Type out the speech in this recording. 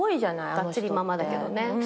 がっつりママだけどね。